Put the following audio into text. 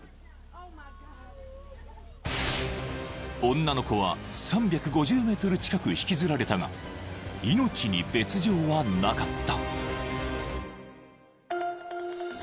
［女の子は３５０ｍ近く引きずられたが命に別条はなかった］